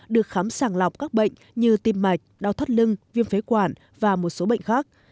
được khám sàng lọc các bệnh như tim mạch đau thoát lưng viêm phế quản và một số bệnh khác